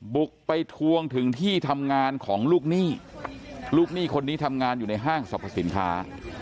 บุกไปทวงถึงที่ทำงานของลูกหนี้ลูกหนี้คนนี้ทำงานอยู่ในห้างสรรพสินค้า